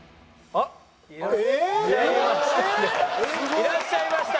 いらっしゃいました。